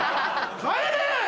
帰れ！